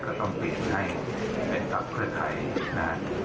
ก็ต้องปิดให้เป็นพักเพื่อไทยนะ